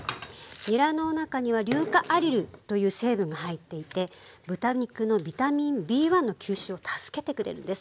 にらの中には硫化アリルという成分が入っていて豚肉のビタミンＢ１の吸収を助けてくれるんです。